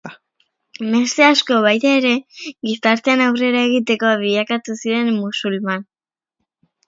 Beste asko, baita ere, gizartean aurrera egiteko bilakatu ziren musulman.